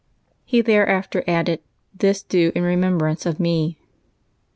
He thereafter added, " This do in remembrance of Me."